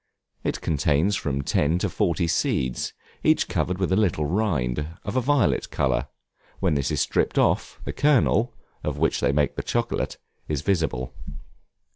It contains from ten to forty seeds, each covered with a little rind, of a violet color; when this is stripped off, the kernel, of which they make the chocolate, is visible.